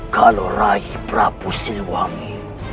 kalau raih prabu silwangi